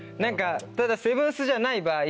ただセブンスじゃない場合。